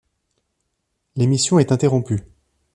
L'émission est interrompue.